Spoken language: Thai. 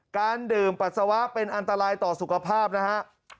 การดื่มปัสสาวะเป็นอันตรายต่อสุขภาพนะฮะ